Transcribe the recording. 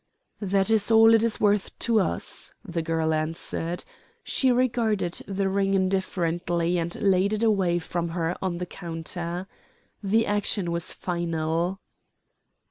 "That is all it is worth to us," the girl answered. She regarded the ring indifferently and laid it away from her on the counter. The action was final.